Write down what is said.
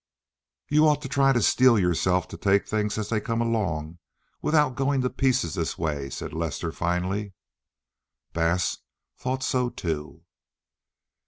"You ought to try to steel yourself to take things as they come without going to pieces this way," said Lester finally. Bass thought so too.